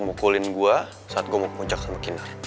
berbuat jahat sama kinar